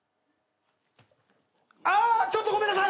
あちょっとごめんなさい！